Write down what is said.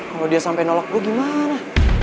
kalau dia sampai nolak gue gimana